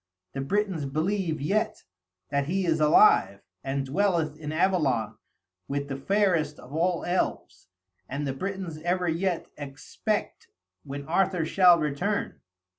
The Britons believe yet that he is alive, and dwelleth in Avalon with the fairest of all elves; and the Britons ever yet expect when Arthur shall return.